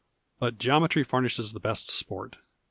But geometry furnishes the best sport.